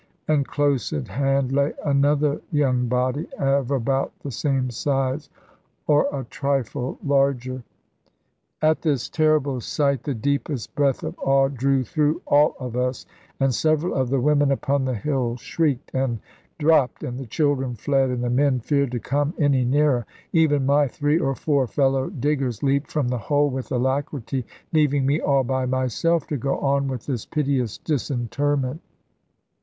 And close at hand lay another young body, of about the same size, or a trifle larger. At this terrible sight, the deepest breath of awe drew through all of us, and several of the women upon the hill shrieked and dropped, and the children fled, and the men feared to come any nearer. Even my three or four fellow diggers leaped from the hole with alacrity, leaving me all by myself to go on with this piteous disinterment.